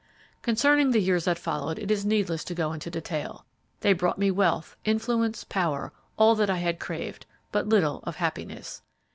"Concerning the years that followed, it is needless to go into detail; they brought me wealth, influence, power, all that I had craved, but little of happiness.